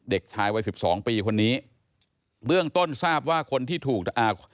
เด็กชายวัยสิบสองปีคนนี้เบื้องต้นทราบว่าคนที่ถูกอ่า